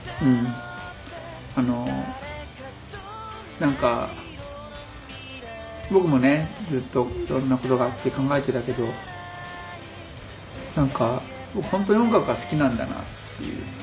なんか僕もねずっといろんなことがあって考えてたけどなんか僕本当に音楽が好きなんだなっていう。